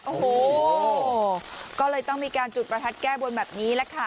โอ้โหก็เลยต้องมีการจุดประทัดแก้บนแบบนี้แหละค่ะ